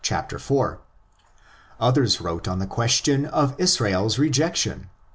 ; others wrote on the question of Israel's rejection (ix.